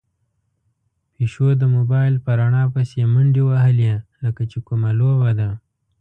پيشو د موبايل په رڼا پسې منډې وهلې، لکه چې کومه لوبه ده.